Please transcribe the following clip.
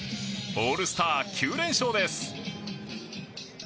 オールスター９連勝です。